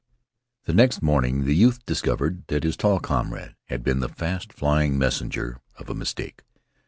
The next morning the youth discovered that his tall comrade had been the fast flying messenger of a mistake.